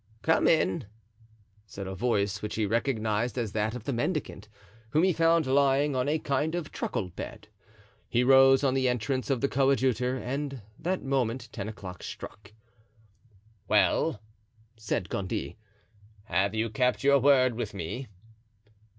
"Come in," said a voice which he recognized as that of the mendicant, whom he found lying on a kind of truckle bed. He rose on the entrance of the coadjutor, and at that moment ten o'clock struck. "Well," said Gondy, "have you kept your word with me?"